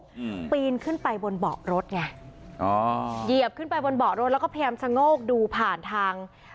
อืมปีนขึ้นไปบนเบาะรถไงอ๋อเหยียบขึ้นไปบนเบาะรถแล้วก็พยายามชะโงกดูผ่านทาง